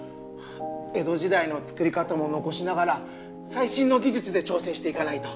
江戸時代の造り方も残しながら最新の技術で挑戦していかないと。